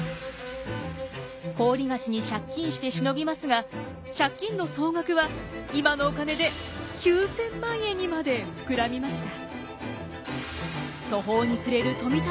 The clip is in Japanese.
高利貸しに借金してしのぎますが借金の総額は今のお金で９，０００万円にまで膨らみました。